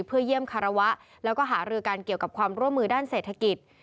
เพื่อเยี่ยมคารวะแล้วก็หารือกันเกี่ยวกับความร่วมมือด้านเศรษฐกิจ